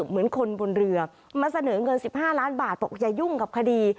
มาเสนอเงิน๑๕ล้านบาทบอกอย่ายุ่งกับคดี